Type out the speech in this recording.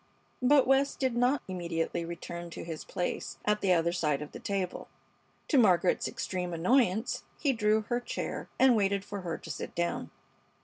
But West did not immediately return to his place at the other side of the table. To Margaret's extreme annoyance he drew her chair and waited for her to sit down.